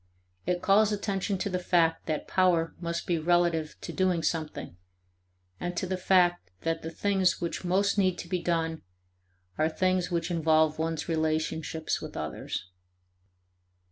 It calls attention to the fact that power must be relative to doing something, and to the fact that the things which most need to be done are things which involve one's relationships with others.